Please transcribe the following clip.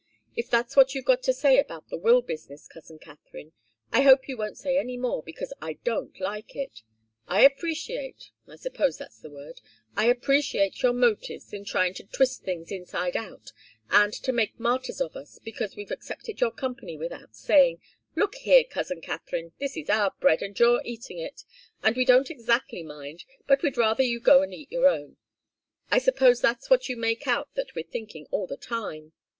If that's what you've got to say about the will business, cousin Katharine, I hope you won't say any more, because I don't like it. I appreciate I suppose that's the word I appreciate your motives in trying to twist things inside out and to make martyrs of us because we've accepted your company without saying, 'Look here, cousin Katharine, this is our bread, and you're eating it, and we don't exactly mind, but we'd rather you'd go and eat your own.' I suppose that's what you make out that we're thinking all the time.